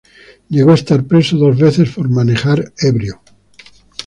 Llegó a estar preso dos veces por manejar ebrio.